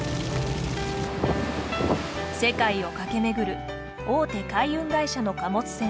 世界を駆け巡る大手海運会社の貨物船です。